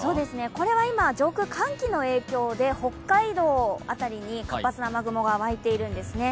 これは今、上空、寒気の影響で北海道辺りに活発な雨雲が湧いているんですね。